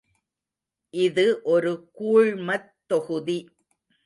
இது ஒரு கூழ்மத் தொகுதி.